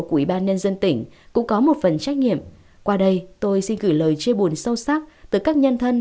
ubnd tỉnh cũng có một phần trách nhiệm qua đây tôi xin gửi lời chê buồn sâu sắc từ các nhân thân